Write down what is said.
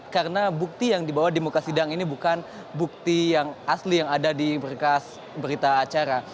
karena bukti yang dibawa di muka sidang ini bukan bukti yang asli yang ada di berkas berita acara